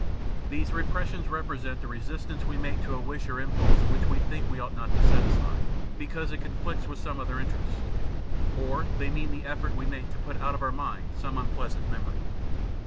These repressions represent the resistance we make to a wish or impulse which we think we ought not to satisfy, bcause it conflicts with some other interest ; or they mean the effort we make to put out of our mind some unpleasant memory.